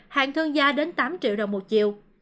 hạng thương gia đến tám triệu đồng một triệu